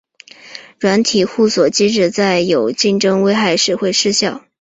软体互锁机制在有竞争危害时会失效。